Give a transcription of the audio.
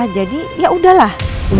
jadi ya udahlah